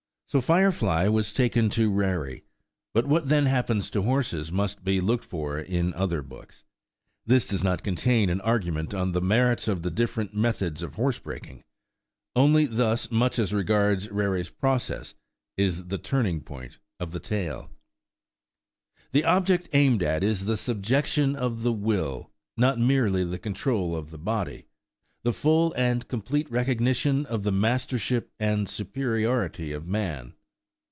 So Firefly was taken to Rarey; but what then happens to horses must be looked for in other books. This does not contain an argument on the merits of the different methods of horsebreaking; only thus much as regards Rarey's process is the turning point of the tale. The object aimed at is the subjection of the will, not merely the control of the body,–the full and complete recognition of the mastership and superiority of man.